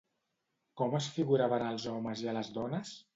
Com es figuraven als homes i a les dones?